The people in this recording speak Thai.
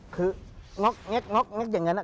คือง็กอย่างนั้นนะ